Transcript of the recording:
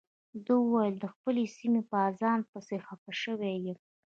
ده وویل د خپلې سیمې په اذان پسې خپه شوی یم.